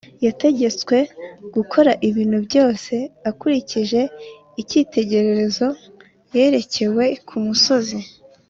yategetswe gukora ibintu byose akurikije icyitegererezo yerekewe ku musozi